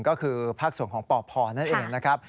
ก็คือภาคส่วนของปพนั่นเองนะครับ